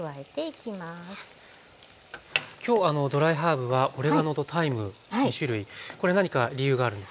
今日ドライハーブはオレガノとタイム２種類これ何か理由があるんですか？